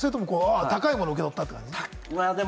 高いものを受け取ったって感じなの？